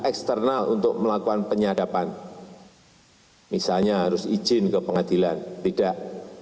eksternal untuk melakukan penyadapan misalnya harus izin ke pengadilan tidak